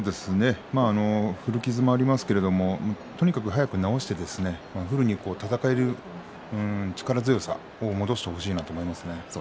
古傷もありますけれどもとにかく早く治してフルに戦える力強さを戻してほしいと思います。